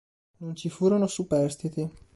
Non ci furono superstiti.